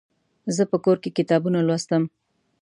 زه په کور کې کتابونه لوستم.